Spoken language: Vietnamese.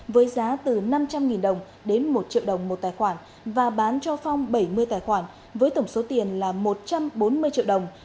với giá từ năm trăm linh đồng đến một triệu đồng một tài khoản và bán cho phong bảy mươi tài khoản với tổng số tiền là một trăm bốn mươi triệu đồng